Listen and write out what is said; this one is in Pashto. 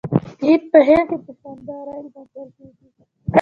عید په هند کې په شاندارۍ لمانځل کیږي.